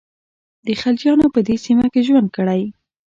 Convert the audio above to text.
د خلجیانو په دې سیمه کې ژوند کړی.